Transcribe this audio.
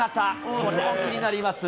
これも気になりますよ。